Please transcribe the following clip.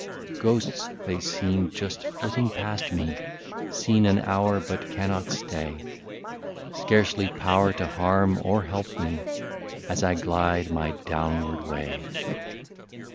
Ghosts, they seem just flitting past me. Seen an hour but cannot stay. Scarcely power to harm or help me. As I glide my downward way.